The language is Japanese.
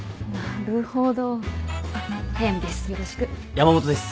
山本です。